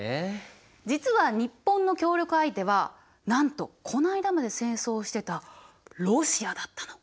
実は日本の協力相手はなんとこの間まで戦争をしてたロシアだったの。